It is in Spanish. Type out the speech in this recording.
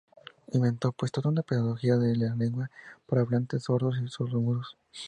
Inventó, pues, toda una pedagogía de la lengua para hablantes, sordos y sordomudos.